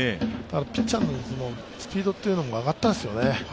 ピッチャーのスピードが上がったんですよね。